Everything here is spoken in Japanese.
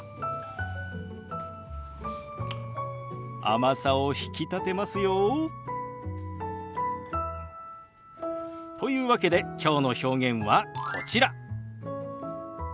甘さを引き立てますよ。というわけできょうの表現はこちら。